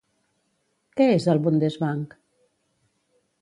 Què és el Bundesbank?